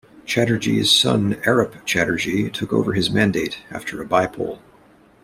Chatterjee's son Arup Chatterjee took over his mandate after a by-poll.